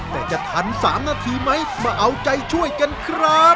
แต่จะทัน๓นาทีไหมมาเอาใจช่วยกันครับ